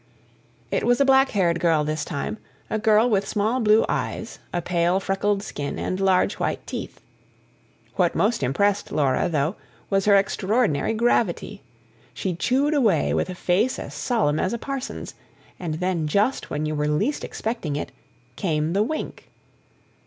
It was a black haired girl this time, a girl with small blue eyes, a pale, freckled skin, and large white teeth. What most impressed Laura, though, was her extraordinary gravity: she chewed away with a face as solemn as a parson's; and then just when you were least expecting it, came the wink.